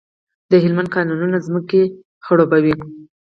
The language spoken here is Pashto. د هلمند کانالونه ځمکې خړوبوي.